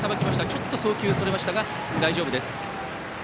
ちょっと送球がそれましたが大丈夫です。